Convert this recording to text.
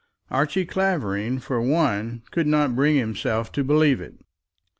Archie Clavering, for one, could not bring himself to believe it.